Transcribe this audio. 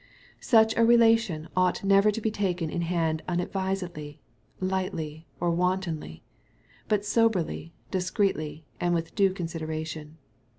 Such a relation ought never to be taken in hand unadvisedly, lightly, or wantonly, but soberly, dis creetly, and with due consideration.